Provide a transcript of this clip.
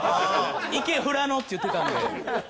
「いけ！富良野」って言ってたんで。